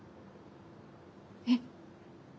えっ。